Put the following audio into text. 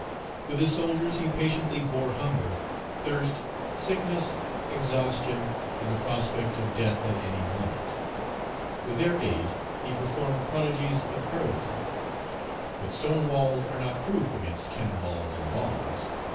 With his soldiers he patiently bore hunger, thirst, sickness, exhaustion, and the prospect of death at any moment. With their aid, he performed prodigies of heroism. But stone walls are not proof against cannon balls and bombs.